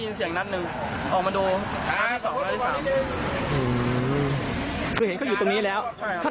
ที่สวมหมวกกับนั่งคล่อมเหมือนกับรอใครแบบเนี่ยอยู่หลายชั่วโมงแล้วนะครับ